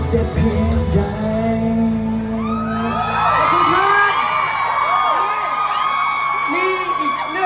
ให้หัวใจ